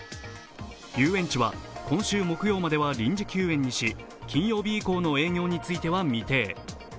遊園地は今週木曜までは臨時休園にし、金曜日以降のの営業については未定。